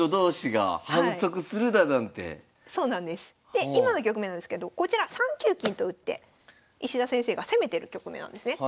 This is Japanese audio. で今の局面なんですけどこちら３九金と打って石田先生が攻めてる局面なんですね。